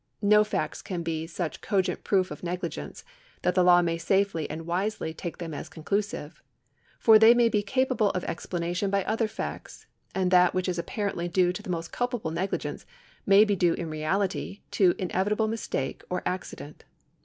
No facts can be such cogent proof of negligence that the law may safely and wisely take them as conclusive. For they may be capable of explanation by other facts, and that which is apparently due to the most culpable negligence may be due in reality to inevitable mistake or accident.